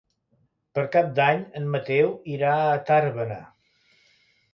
Per Cap d'Any en Mateu irà a Tàrbena.